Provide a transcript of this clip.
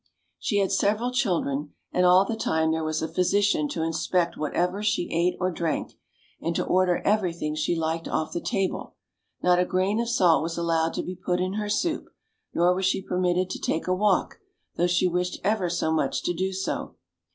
She had sev eral children, and all the time there was a physician to inspect whatever she ate or drank, and to order every thing she liked off the table; not a grain of salt was allowed to be put in her soup, nor was she permitted to take a walk, though she wished ever so much to do so.